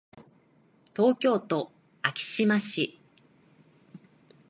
東京都昭島市